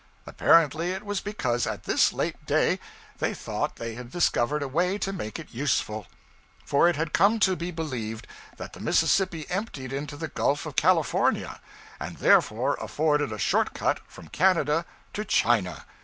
Apparently it was because at this late day they thought they had discovered a way to make it useful; for it had come to be believed that the Mississippi emptied into the Gulf of California, and therefore afforded a short cut from Canada to China.